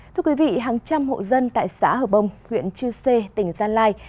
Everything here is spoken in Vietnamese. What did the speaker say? thưa quý vị hàng trăm hộ dân tại xã hờ bông huyện chư sê tỉnh gia lai